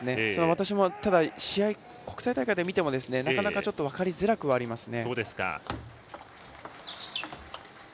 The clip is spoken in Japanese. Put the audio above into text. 私もただ、国際大会で見てもなかなか分かりづらくはありますね。